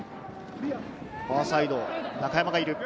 ファーサイド、中山がいる。